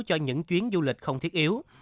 cho những chuyến du lịch không thiết yếu